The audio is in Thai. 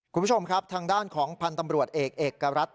คุณผู้ชมครับทางด้านของพันธ์ตำรวจเอกเอกรัฐ